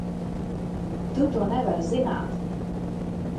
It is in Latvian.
Tu to nevari zināt!